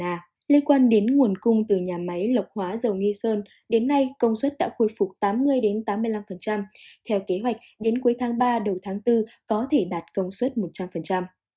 liên quan đến nguồn cung từ nhà máy lọc hóa dầu nghi sơn đến nay công suất đã khôi phục tám mươi tám mươi năm theo kế hoạch đến cuối tháng ba đầu tháng bốn có thể đạt công suất một trăm linh